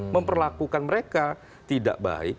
memperlakukan mereka tidak baik